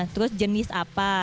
terus jenis apa